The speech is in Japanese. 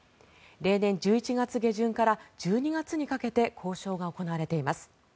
例年、１１月下旬から１２月にかけて交渉が行われています。